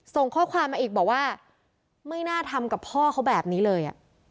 ส่งข้อความมาอีกบอกว่าไม่น่าทำกับพ่อเขาแบบนี้เลย